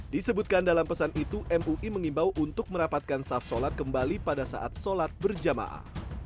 disebutkan dalam pesan itu mui mengimbau untuk merapatkan saf sholat kembali pada saat sholat berjamaah